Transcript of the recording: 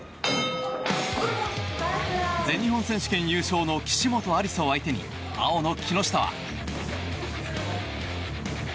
全日本選手権優勝の岸本有彩を相手に青の木下は。